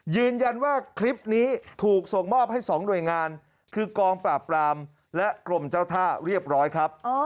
ยืนยันว่าคลิปนี้ถูกส่งมอบให้๒หน่วยงานคือกองปราบปรามและกรมเจ้าท่าเรียบร้อยครับ